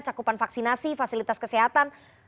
cakupan vaksinasi fasilitas kesehatan